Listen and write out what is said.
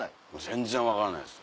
全然分からないです